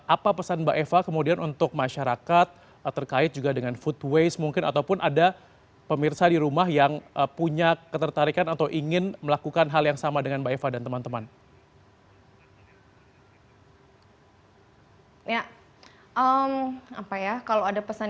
apa pesan mbak eva kemudian untuk masyarakat terkait juga dengan food waste mungkin ataupun ada pemirsa di rumah yang punya ketertarikan atau ingin melakukan hal yang sama dengan mbak eva dan teman teman